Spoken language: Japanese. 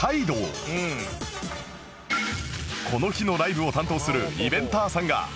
この日のライブを担当するイベンターさんが